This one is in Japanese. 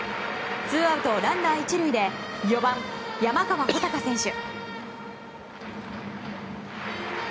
ツーアウトランナー１塁で４番、山川穂高選手。